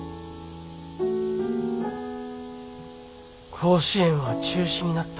甲子園は中止になった。